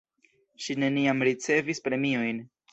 Ŝi neniam ricevis premiojn.